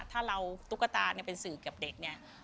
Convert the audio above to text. ถ้าเราตุ๊กตาเป็นสื่อเกี่ยวกับเด็ก